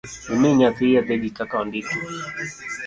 Imi nyathi yedhegi kaka ondiki